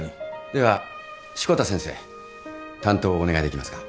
では志子田先生担当をお願いできますか？